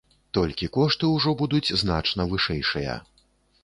Толькі кошты ўжо будуць значна вышэйшыя.